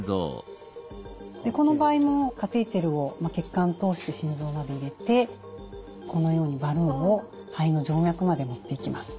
この場合もカテーテルを血管通して心臓まで入れてこのようにバルーンを肺の静脈まで持っていきます。